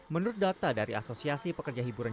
menurut data dari asosiasi pekerja hiburan